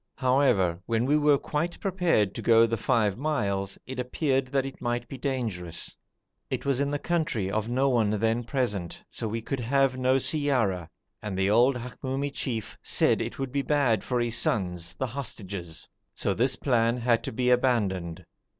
However, when we were quite prepared to go the five miles, it appeared that it might be dangerous. It was in the country of no one then present, so we could have no siyara, and the old Hamoumi chief said it would be bad for his sons, the hostages; so this plan had to be abandoned.